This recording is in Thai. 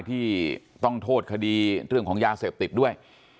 ที่ต้องโทษคดีเรื่องของยาเสพติดด้วย